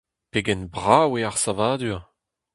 Pegen brav eo ar savadur !